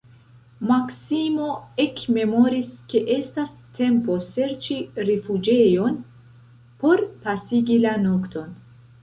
Maksimo ekmemoris, ke estas tempo serĉi rifuĝejon por pasigi la nokton.